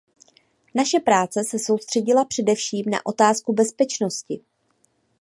Naše práce se soustředila především na otázku bezpečnosti.